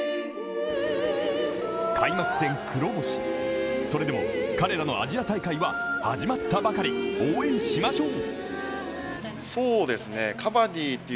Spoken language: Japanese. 開幕戦黒星、それでも彼らのアジア大会は始まったばかり応援しましょう。